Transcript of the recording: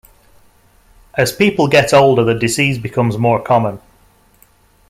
As people get older the disease becomes more common.